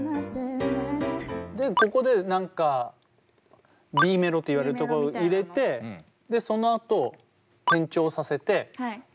ここで何かＢメロといわれるところを入れてでそのあと転調させて。